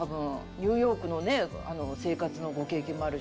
ニューヨークの生活のご経験もあるし。